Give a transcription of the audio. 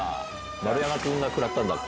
丸山君がくらったんだっけ？